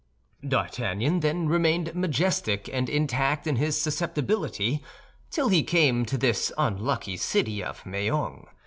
D'Artagnan, then, remained majestic and intact in his susceptibility, till he came to this unlucky city of Meung.